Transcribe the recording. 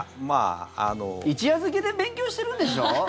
一夜漬けで勉強してるんでしょ？